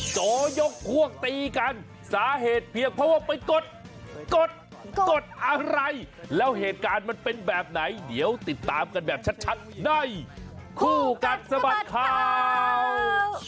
โจยกพวกตีกันสาเหตุเพียงเพราะว่าไปกดกดกดอะไรแล้วเหตุการณ์มันเป็นแบบไหนเดี๋ยวติดตามกันแบบชัดในคู่กัดสะบัดข่าว